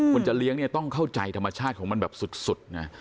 จะเลี้ยงเนี่ยต้องเข้าใจธรรมชาติของมันแบบสุดนะ